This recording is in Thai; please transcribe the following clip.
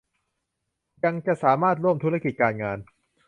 ยังจะสามารถร่วมธุรกิจการงาน